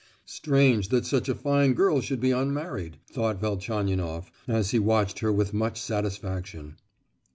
"Strange, that such a fine girl should be unmarried," thought Velchaninoff, as he watched her with much satisfaction.